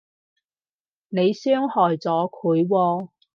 你傷害咗佢喎